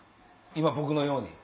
僕のように。